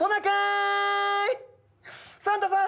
サンタさん